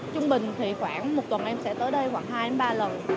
trung bình thì khoảng một tuần em sẽ tới đây khoảng hai đến ba lần